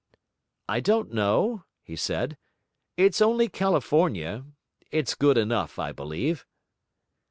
'I don't know,' he said. 'It's only California; it's good enough, I believe.'